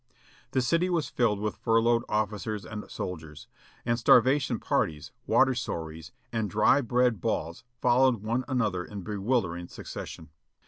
The city was filled with furloughed officers and sol diers, and starvation parties, water soirees and dry bread balls followed one another in bewildering succession.